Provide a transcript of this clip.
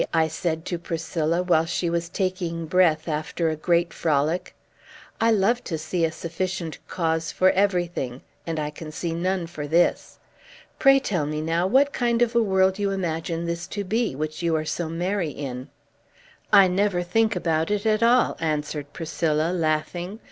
I said to Priscilla, while she was taking breath, after a great frolic. "I love to see a sufficient cause for everything, and I can see none for this. Pray tell me, now, what kind of a world you imagine this to be, which you are so merry in." "I never think about it at all," answered Priscilla, laughing.